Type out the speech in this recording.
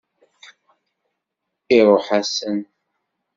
Iṛuḥ-asen.